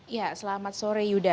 ya selamat sore yuda